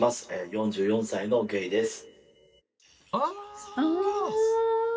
４４歳のゲイです。